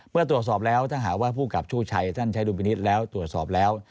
เมื่อตรวจสอบแล้วถ้าหากว่าผู้กับชู่ชัยท่านใช้ดุลพินิษฐ์แล้วตรวจสอบแล้ว